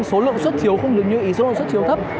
số lượng xuất thiếu không được nhị số lượng xuất thiếu thấp